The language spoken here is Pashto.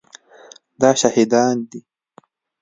دا شهیدان دي